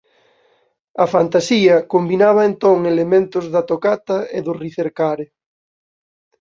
A fantasía combinaba entón elementos da tocata e do ricercare.